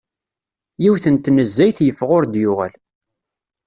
Yiwet n tnezzayt yeffeɣ ur d-yuɣal.